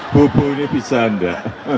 bubu ini bisanda